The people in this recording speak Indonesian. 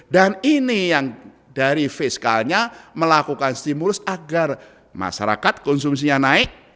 dan ini yang dari fiskalnya melakukan stimulus agar masyarakat konsumsinya naik